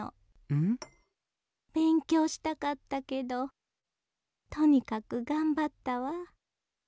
ん？勉強したかったけどとにかく頑張ったわ。